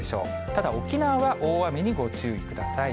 ただ、沖縄は大雨にご注意ください。